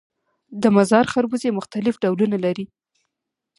د مزار خربوزې مختلف ډولونه لري